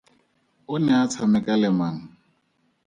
O ne o tshameka le mang?